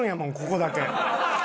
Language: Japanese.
ここだけ。